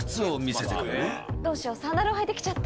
どうしよう。